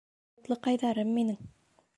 Һутлыҡайҙарым минең